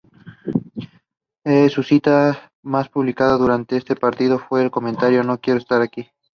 Su cita más publicitada durante este partido fue su comentario: "No quiero estar aquí".